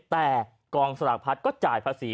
แต่กองสลากพัดก็จ่ายภาษี